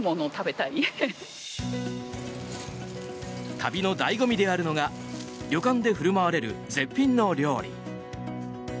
旅の醍醐味であるのが旅館で振る舞われる絶品の料理。